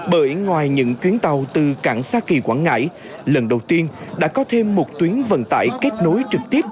bởi ngoài những chuyến tàu từ cảng sa kỳ quảng ngãi lần đầu tiên đã có thêm một tuyến vận tải kết nối trực tiếp